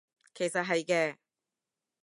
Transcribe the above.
其實係嘅